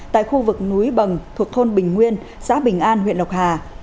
tại khu vực núi bằng thuộc thôn bình nguyên xã bình an huyện lộc hà